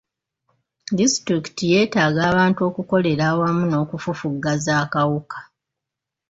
Disitulikiti yetaaga abantu okukolera awamu okufufugaza akawuka.